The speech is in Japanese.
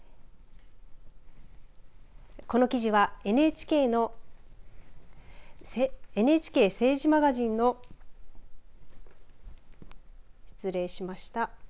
この記事は、ＮＨＫのＮＨＫ政治マガジンの失礼しました。